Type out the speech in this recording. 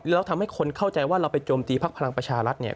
แล้วทำให้คนเข้าใจว่าเราไปโจมตีพักพลังประชารัฐเนี่ย